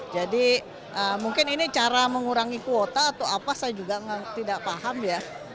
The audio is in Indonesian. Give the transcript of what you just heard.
jadi mungkin ini cara mengurangi kuota atau apa saya juga tidak paham ya